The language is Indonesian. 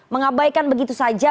mengabaikan begitu saja